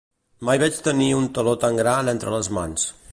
Mai vaig tenir un taló tan gran entre les mans.